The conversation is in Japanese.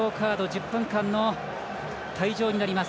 １０分間の退場になります。